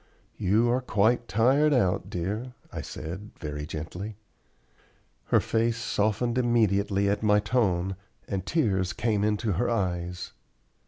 "You are quite tired out, dear," I said, very gently. Her face softened immediately at my tone and tears came into her eyes.